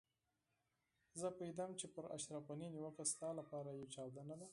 زه پوهېدم چې پر اشرف غني نيوکه ستا لپاره يوه چاودنه ده.